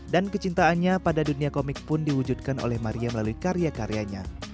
dan kecintaannya pada dunia komik pun diwujudkan oleh maria melalui karya karyanya